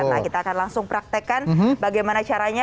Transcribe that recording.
nah kita akan langsung praktekkan bagaimana caranya